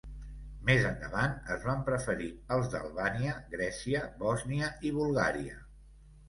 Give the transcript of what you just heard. Més endavant, es van preferir els d'Albània, Grècia, Bòsnia i Bulgària.